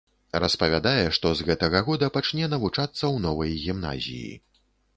Распавядае, што з гэтага года пачне навучацца ў новай гімназіі.